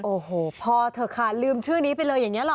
โอ้โหพอเถอะค่ะลืมชื่อนี้ไปเลยอย่างนี้หรอ